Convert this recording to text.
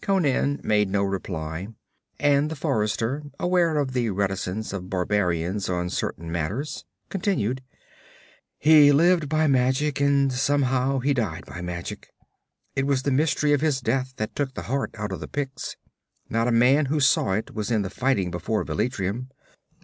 Conan made no reply, and the forester, aware of the reticence of barbarians on certain matters, continued: 'He lived by magic, and somehow, he died by magic. It was the mystery of his death that took the heart out of the Picts. Not a man who saw it was in the fighting before Velitrium.